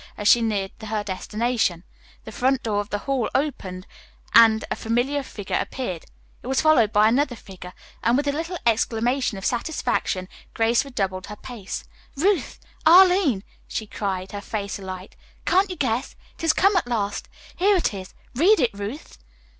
As she neared her destination, the front door of the hall opened and a familiar figure appeared. It was followed by another figure, and with a little exclamation of satisfaction Grace redoubled her pace. "Ruth! Arline!" she cried, her face alight: "Can't you guess? It has come at last. Here it is. Read it, Ruth."